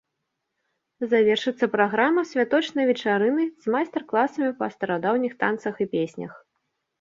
Завершыцца праграма святочнай вечарынай з майстар-класамі па старадаўніх танцах і песнях.